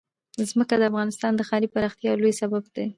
ځمکه د افغانستان د ښاري پراختیا یو لوی سبب کېږي.